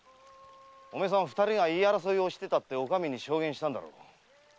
お前さん二人が言い争いしてたとお上に証言したんだろう？